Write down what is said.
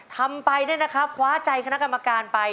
ทำไปเนี่ยนะครับคว้าใจคณะกรรมการไป